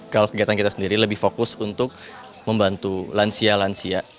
kalau kegiatan kita sendiri lebih fokus untuk membantu lansia lansia